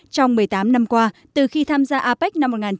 trong một mươi tám năm qua từ khi tham gia apec một nghìn chín trăm chín mươi tám